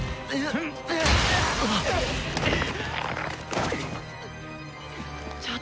あっ！